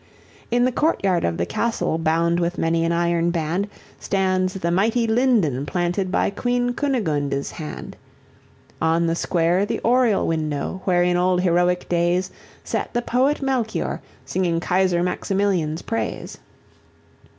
In the court yard of the castle, bound with many an iron band, Stands the mighty linden planted by Queen Cunigunde's hand; On the square the oriel window, where in old heroic days, Sat the poet Melchoir singing Kaiser Maximilian's praise.